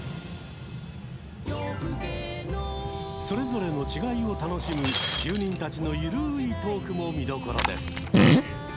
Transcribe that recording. それぞれの違いを楽しむ住人たちの緩いトークも見どころです。